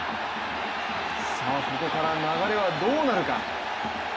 さあ、ここから流れはどうなるか。